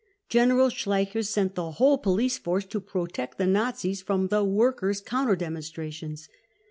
General Schleicher sent the whole police force to protect the Nazis from the workers' counter demonstrations.